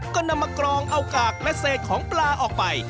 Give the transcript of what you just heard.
ก็นำมากรองเอากากและเศษของปลาออกไป